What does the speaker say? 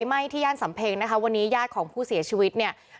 ไหม้ที่ย่านสำเพ็งนะคะวันนี้ญาติของผู้เสียชีวิตเนี่ย